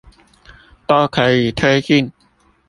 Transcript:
都可以推進